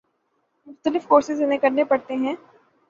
مختلف کورسز انہیں کرنے پڑتے ہیں۔